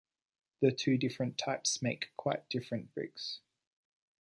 The two different types make quite different bricks.